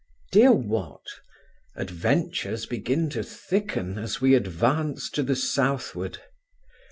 DEAR WAT, Adventures begin to thicken as we advance to the southward.